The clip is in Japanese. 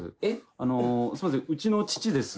あのすいませんうちの父です。